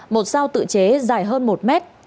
một sao tự chế dài hơn một mét